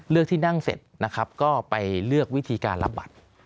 เลือกที่นั่งเสร็จนะครับก็ไปเลือกวิธีการรับบัตร